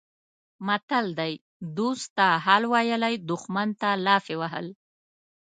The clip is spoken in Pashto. متل دی: دوست ته حال ویلی دښمن ته لافې وهل.